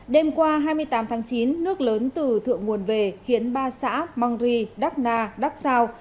đêm qua hai mươi tám tháng chín nước lớn từ thượng nguồn về khiến ba xã mang ri đắc na đắc sao